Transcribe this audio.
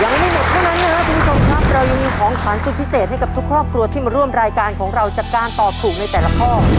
ยังไม่หมดเท่านั้นนะครับคุณผู้ชมครับเรายังมีของขวัญสุดพิเศษให้กับทุกครอบครัวที่มาร่วมรายการของเราจากการตอบถูกในแต่ละข้อ